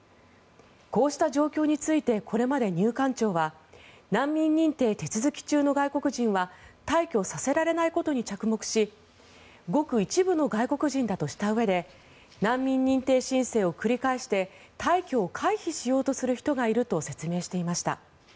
こうした状況についてこれまで、入管庁は難民認定手続き中の外国人は退去させられないことに着目しごく一部の外国人だとしたうえで難民認定申請を繰り返して退去を回避しようとする人がいると説明していました。